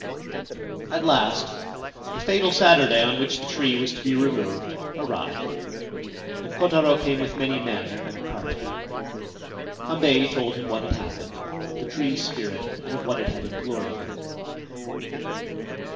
At last the fatal Saturday on which the tree was to be removed arrived, and Kotaro came with many men and a cart. Hambei told him what had happened — of the tree's spirit and of what it had implored of him.